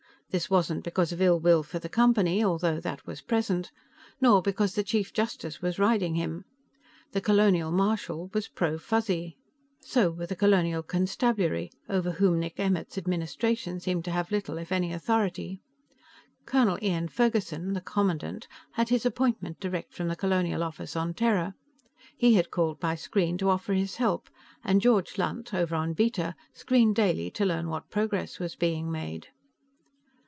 This wasn't because of ill will for the Company, though that was present, nor because the Chief Justice was riding him. The Colonial Marshal was pro Fuzzy. So were the Colonial Constabulary, over whom Nick Emmert's administration seemed to have little if any authority. Colonel Ian Ferguson, the commandant, had his appointment direct from the Colonial Office on Terra. He had called by screen to offer his help, and George Lunt, over on Beta, screened daily to learn what progress was being made.